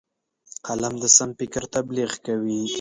قلم د سم فکر تبلیغ کوي